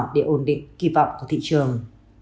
để ổn định kỳ vọng của thị trường